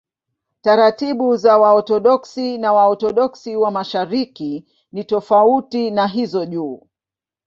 Taratibu za Waorthodoksi na Waorthodoksi wa Mashariki ni tofauti na hizo juu.